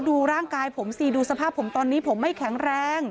ดูร่างกายผมสิดูสภาพผมตอนนี้ผมไม่แข็งแรง